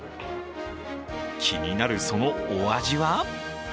気になるそのお味は？